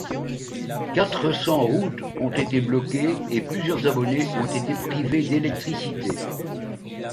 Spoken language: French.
Quatre cents routes ont été bloquées et plusieurs abonnés ont été privés d'électricité.